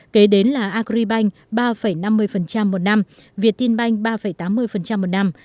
kế đến là agribank ba năm mươi một năm viettinbank ba tám mươi một năm